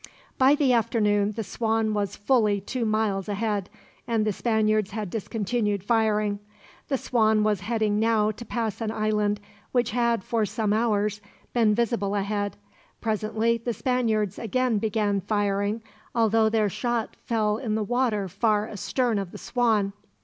By the afternoon the Swan was fully two miles ahead, and the Spaniards had discontinued firing. The Swan was heading now to pass an island which had, for some hours, been visible ahead. Presently the Spaniards again began firing, although their shot fell in the water far astern of the Swan.